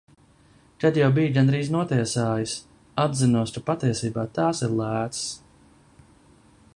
Kad jau bija gandrīz notiesājis, atzinos, ka patiesībā tās ir lēcas.